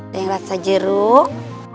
yang rasa jeruk